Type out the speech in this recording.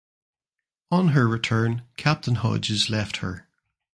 On her return Captain Hodges left her.